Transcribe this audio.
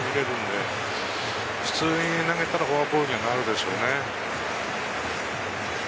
普通に投げたらフォアボールになるでしょうね。